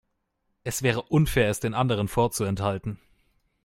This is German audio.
Es wäre unfair, es den anderen vorzuenthalten.